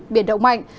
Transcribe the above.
biển động mạnh